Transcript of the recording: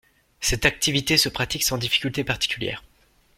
Cette activité se pratique sans difficultés particulières.